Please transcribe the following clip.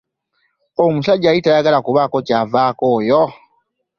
Omusajja yali tayagala kubaako k'avaako oyo.